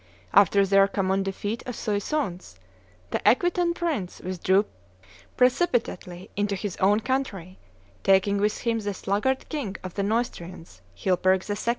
After their common defeat at Soissons, the Aquitanian prince withdrew precipitately into his own country, taking with him the sluggard king of the Neustrians, Chilperic II.